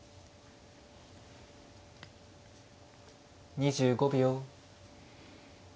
２５秒。